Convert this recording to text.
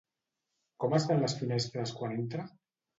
Com estan les finestres quan entra?